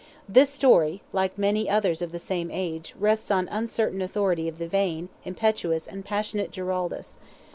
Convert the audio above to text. This story, like many others of the same age, rests on the uncertain authority of the vain, impetuous and passionate Giraldus.